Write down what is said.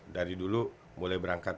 dari dulu mulai berangkat